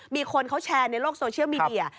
มีคนเขาแชร์ในโลกโซเชียลมีเดีย